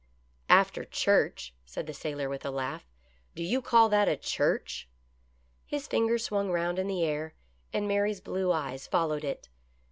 " After church !" said the sailor with a laugh. " Do you call that a church ?" His finger swung round in the air, and Mary's blue eyes followed it.